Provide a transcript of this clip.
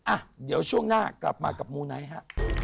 อ่ะเดี๋ยวช่วงหน้ากลับมากับมูไนท์ฮะ